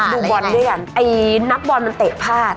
ดูบอลด้วยกันไอ้นักบอลมันเตะพลาด